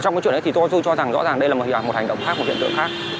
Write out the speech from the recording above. ở trong cái chuyện đấy thì tôi cho rằng rõ ràng đây là một hành động khác một hiện tượng khác